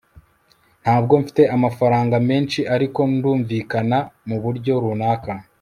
ntabwo mfite amafaranga menshi, ariko ndumvikana muburyo runaka